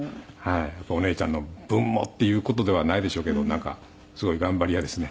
やっぱりお姉ちゃんの分もっていう事ではないでしょうけどなんかすごい頑張り屋ですね。